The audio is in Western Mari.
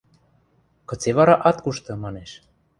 Кыце вара ат кушты, – манеш.